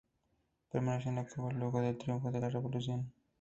Permaneció en Cuba luego del triunfo de la Revolución.